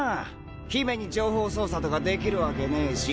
姫に情報操作とかできるわけねえし。